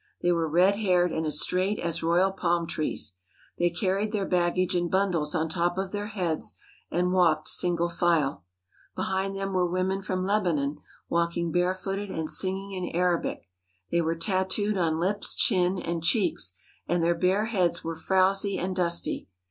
They were red haired and as straight as royal palm trees. They carried their baggage in bundles on top of their heads and walked sin gle file. Behind them were women from Lebanon walk ing barefooted and singing in Arabic. They were tattooed on lips, chin, and cheeks, and their bare heads were frowsy and dusty.